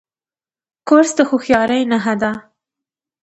کورس د هوښیارۍ نښه ده.